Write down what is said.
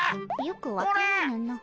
よく分からぬの。